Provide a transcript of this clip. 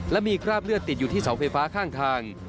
และมีคราบเลือดติดอยู่ที่เสาไฟฟ้าข้างทาง